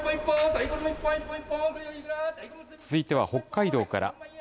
続いては北海道から。